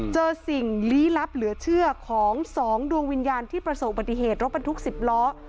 สิ่งลี้ลับเหลือเชื่อของสองดวงวิญญาณที่ประสบปฏิเหตุรถบรรทุก๑๐ล้อ